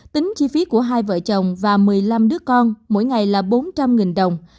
tính chi phí của hai vợ chồng và một mươi năm đứa con mỗi ngày là bốn trăm linh đồng